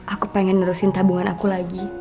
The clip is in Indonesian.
aku pengen nerusin tabungan aku lagi